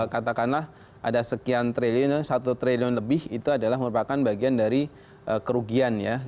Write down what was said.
katakanlah ada sekian triliun satu triliun lebih itu adalah merupakan bagian dari kerugian ya